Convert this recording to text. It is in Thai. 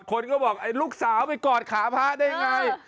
คนก็บอกไอ้ลูกสาวไปกอดขาพระได้ยังไง